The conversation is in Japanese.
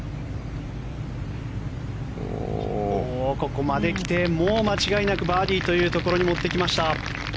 ここまで来てもう間違いなくバーディーというところに持ってきました。